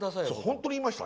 本当に言いました？